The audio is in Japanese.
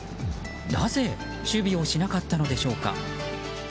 なぜ守備をしなかったのでしょうか。